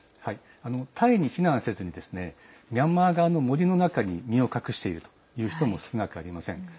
タイに避難せずにミャンマー側の森の中に身を隠しているという人も少なくありません。